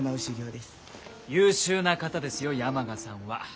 優秀な方ですよ山賀さんは。